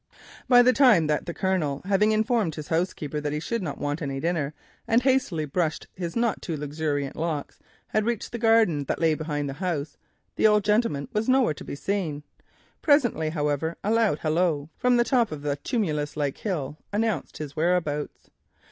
By the time that the Colonel, having informed his housekeeper that he should not want any dinner, and hastily brushed his not too luxuriant locks, had reached the garden which lay behind the house, the Squire was nowhere to be seen. Presently, however, a loud halloa from the top of the tumulus like hill announced his whereabouts.